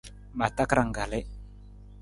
Ma takarang kalii.